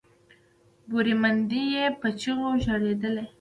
بورې میندې یې په چیغو ژړېدلې